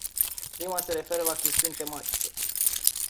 Prima se referă la chestiuni tematice.